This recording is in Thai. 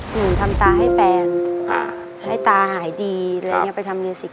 หนูทำตาให้แฟนให้ตาหายดีอะไรอย่างนี้ไปทำเลสิก